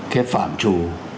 cái phạm chủ